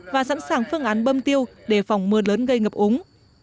và sẵn sàng phương án bơm tiêu để phòng mưa lớn gây ngập úng